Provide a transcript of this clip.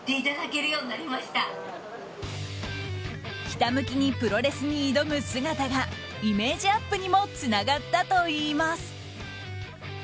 ひたむきにプロレスに挑む姿がイメージアップにもつながったといいます。